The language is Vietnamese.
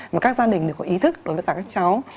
mà các gia đình đều có ý thức đối với cả các cháu